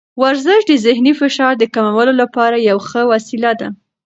ورزش د ذهني فشار د کمولو لپاره یوه ښه وسیله ده.